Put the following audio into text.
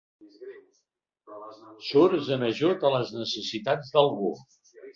Surts en ajut a les necessitats d'algú.